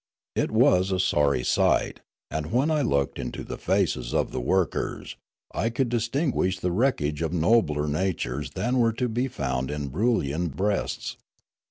It was a sorry sight ; and when I looked into the faces of the workers, I could distin guish the wreckage of nobler natures than were to be found in Broolyian breasts.